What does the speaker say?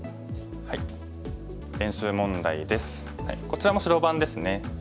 こちらも白番ですね。